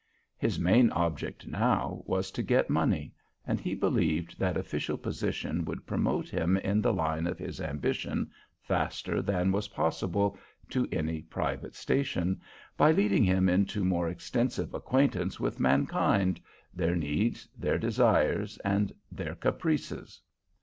His main object now was to get money, and he believed that official position would promote him in the line of his ambition faster than was possible to any private station, by leading him into more extensive acquaintance with mankind, their needs, their desires, and their caprices.